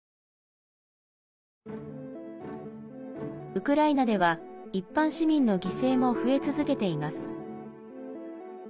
ウクライナでは、一般市民の犠牲も増え続けています。